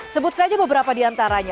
sebut saja beberapa diantaranya